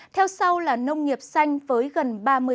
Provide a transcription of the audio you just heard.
theo sau là nông nghiệp xanh với gần ba mươi